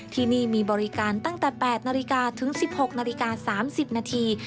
ที่นี่มีบริการตั้งแต่๘นาฬิกาถึง๑๖นาฬิกา๓๐นาที